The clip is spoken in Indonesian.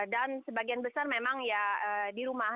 dan sebagian besar memang ya dirumah